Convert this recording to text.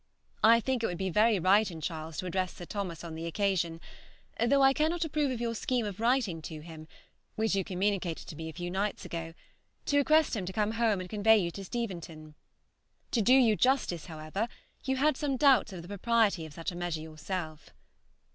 I think it would be very right in Charles to address Sir Thomas on the occasion, though I cannot approve of your scheme of writing to him (which you communicated to me a few nights ago) to request him to come home and convey you to Steventon. To do you justice, however, you had some doubts of the propriety of such a measure yourself.